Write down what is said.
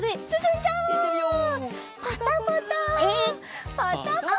パタパタパタパタ。